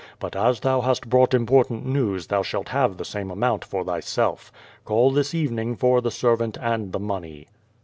But as thou hast brought important news thou shalt have the same amount for thyself. Call this evening for the servant and the money."